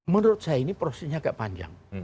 menurut saya ini prosesnya agak panjang